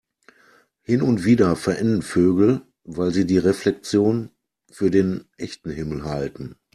Hin und wieder verenden Vögel, weil sie die Reflexion für den echten Himmel halten.